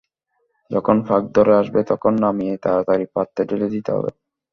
যখন পাক ধরে আসবে তখন নামিয়ে তাড়াতাড়ি পাত্রে ঢেলে দিতে হবে।